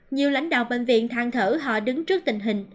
nhiều lãnh đạo bệnh viện than thở họ đứng trước tình hình